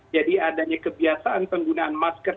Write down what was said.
jadi adanya kebiasaan penggunaan masker